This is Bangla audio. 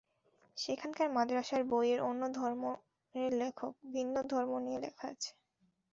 সেখানকার মাদ্রাসার বইয়ে অন্য ধর্মের লেখক, ভিন্ন ধর্ম নিয়ে লেখা আছে।